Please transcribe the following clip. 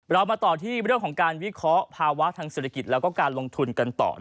เรามาต่อที่เรื่องของการวิเคราะห์ภาวะทางเศรษฐกิจแล้วก็การลงทุนกันต่อ